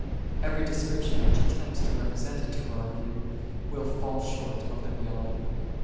Every description which attempts to represent it to our view will fall short of the reality.